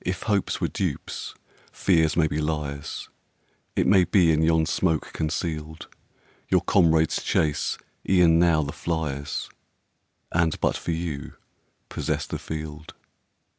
If hopes were dupes, fears may be liars; It may be, in yon smoke conceal'd, Your comrades chase e'en now the fliers, And, but for you, possess the field.